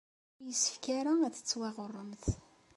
Ur yessefk ara ad tettwaɣurremt.